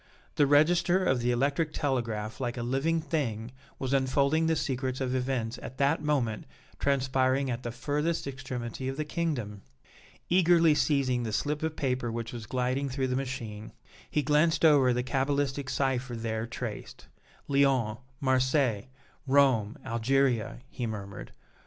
The register of the electric telegraph like a living thing was unfolding the secrets of events at that moment transpiring at the furthest extremity of the Kingdom! Eagerly seizing the slip of paper which was gliding through the machine, he glanced over the cabalistic cipher there traced. "Lyons Marseilles Rome Algeria," he murmured.